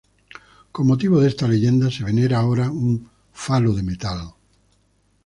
Con motivo de esta leyenda se venera ahora un falo de metal.